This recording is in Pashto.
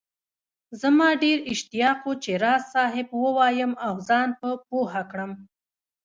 زما ډېر اشتياق وو چي راز صاحب ووايم او زان په پوهه کړم